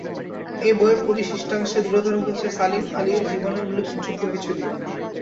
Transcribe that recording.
এ বইয়ের পরিশিষ্টাংশে তুলে ধরা হয়েছে সালিম আলীর জীবনের উল্লেখযোগ্য কিছু দিক।